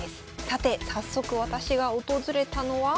さて早速私が訪れたのは。